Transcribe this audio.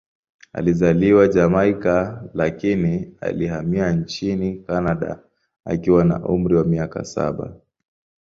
Alizaliwa Jamaika, lakini alihamia nchini Kanada akiwa na umri wa miaka saba.